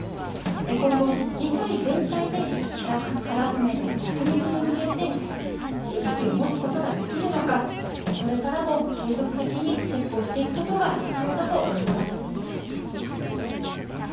今後、議会全体でハラスメントの撲滅に向けて意識を持つことができるのか、これからも継続的にチェックをしていくことが必要だと思います。